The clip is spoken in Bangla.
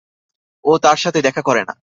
ও তাঁর সাথে দেখা করে না।